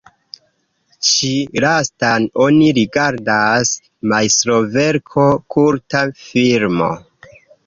Ĉi lastan oni rigardas majstroverko, kulta filmo.